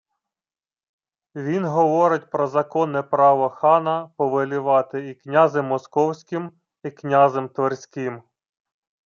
Він говорить про законне право хана повелівати і князем Московським, і князем Тверським